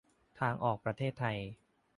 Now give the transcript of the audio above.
ทางออกประเทศไทย